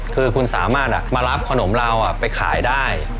คือคุณสามารถมารับขนมเราไปขายได้